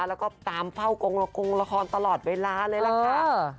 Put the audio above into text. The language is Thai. แล้วก็ตามเฝ้ากงละกงละครตลอดเวลาเลยล่ะค่ะ